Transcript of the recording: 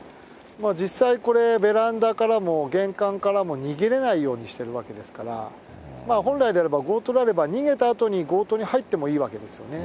実際これ、ベランダからも玄関からも逃げれないようにしてるわけですから、本来であれば強盗であれば、逃げたあとに強盗に入ってもいいわけですよね。